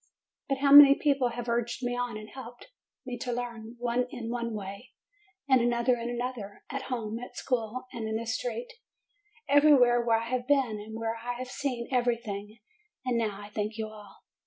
But how many people have urged me on and helped 330 JUNE me to learn, one in one way, and another in another, at home, at school, in the street, everywhere where I have been and where I have seen anything! And now, I thank you all.